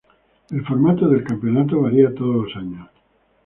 El formato del campeonato varía todos los años.